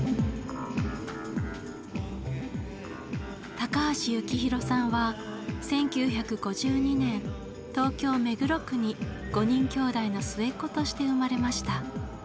高橋幸宏さんは１９５２年東京・目黒区に５人兄弟の末っ子として生まれました。